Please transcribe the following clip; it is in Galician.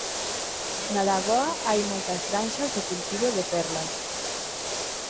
Na lagoa hai moitas granxas de cultivo de perlas.